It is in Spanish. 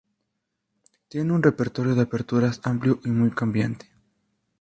Tiene un repertorio de aperturas amplio y muy cambiante.